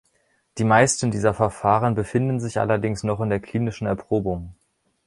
Die meisten dieser Verfahren befinden sich allerdings noch in der klinischen Erprobung.